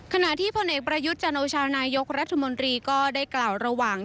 ขณะที่ผู้เนกประยุตรจชนรมก็ได้กล่าวระหว่าง